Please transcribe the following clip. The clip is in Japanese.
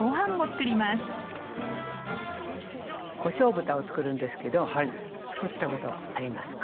こしょう豚をつくるんですけどつくったことありますか。